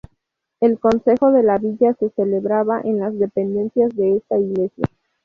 El Concejo de la Villa se celebraba en las dependencias de esta iglesia.